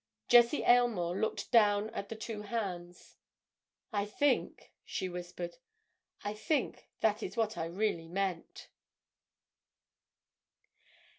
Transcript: Jessie Aylmore looked down at the two hands. "I think," she whispered, "I think that is what I really meant!"